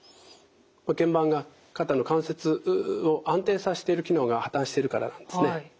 けん板が肩の関節を安定させている機能が破綻しているからなんですね。